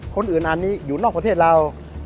คนอื่นอันนี้อยู่นอกประเทศเรา